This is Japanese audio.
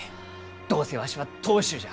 どうせわしは当主じゃ！